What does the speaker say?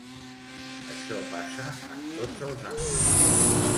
Això passa en tots els àmbits.